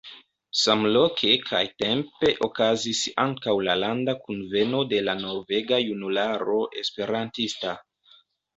Samloke kaj -tempe okazis ankaŭ la Landa Kunveno de la Norvega Junularo Esperantista.